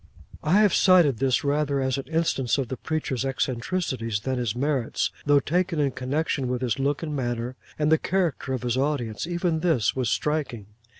I have cited this, rather as an instance of the preacher's eccentricities than his merits, though taken in connection with his look and manner, and the character of his audience, even this was striking.